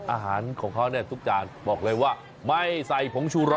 อาหารของเขาเนี่ยทุกจานบอกเลยว่าไม่ใส่ผงชูร้อ